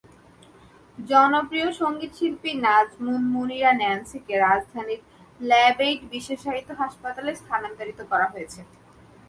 জনপ্রিয় সংগীতশিল্পী নাজমুন মুনিরা ন্যান্সিকে রাজধানীর ল্যাবএইড বিশেষায়িত হাসপাতালে স্থানান্তরিত করা হয়েছে।